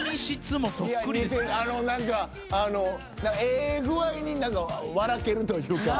何かええ具合に笑けるというか。